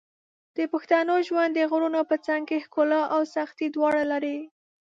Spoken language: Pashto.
د پښتنو ژوند د غرونو په څنګ کې ښکلا او سختۍ دواړه لري.